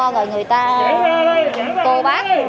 rồi người ta cô bác